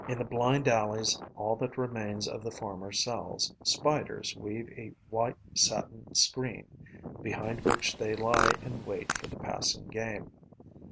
In the blind alleys, all that remains of the former cells, Spiders weave a white satin screen, behind which they lie in wait for the passing game.